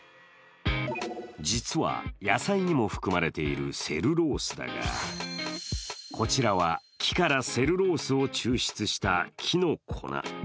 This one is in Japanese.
実は野菜にも含まれているセルロースだが、こちらは木からセルロースを抽出した木の粉。